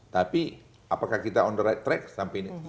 tapi apakah kita on the right track sampai ini